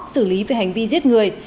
xử lý về hành vi giết người